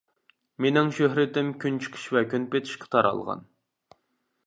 مېنىڭ شۆھرىتىم كۈنچىقىش ۋە كۈنپېتىشقا تارالغان.